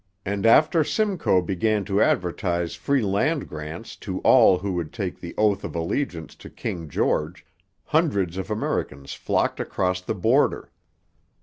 And after Simcoe began to advertise free land grants to all who would take the oath of allegiance to King George, hundreds of Americans flocked across the border.